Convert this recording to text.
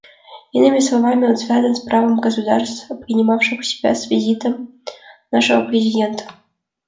Иными словами, он связан с правом государств, принимавших у себя с визитом нашего президента.